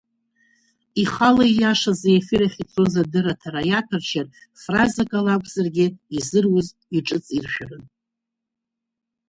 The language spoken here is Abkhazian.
Ихала ииашаз аефир ахь ицоз адырраҭара иаҭәаршьар, фразак ала акәзаргьы, изыруз иҿыҵиршәарын.